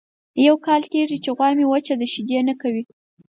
یو کال کېږي چې غوا مې وچه ده شیدې نه کوي.